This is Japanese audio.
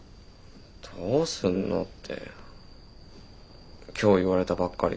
どうすんのって今日言われたばっかりだし。